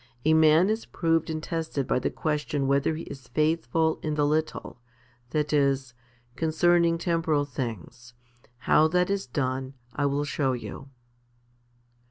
A man is proved and tested by the question whether he is faithful in the little, that is, concerning temporal things. How that is done, I will show you.